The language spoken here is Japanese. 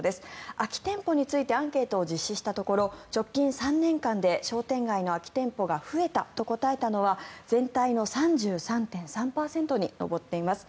空き店舗についてアンケートを実施したところ直近３年間で商店街の空き店舗が増えたと答えたのは全体の３３．３％に上っています。